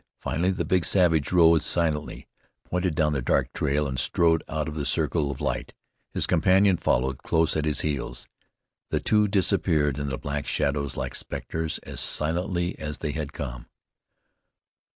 Finally the big savage rose silently, pointed down the dark trail, and strode out of the circle of light. His companion followed close at his heels. The two disappeared in the black shadows like specters, as silently as they had come.